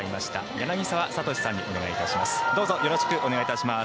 柳澤哲さんにお願いいたします。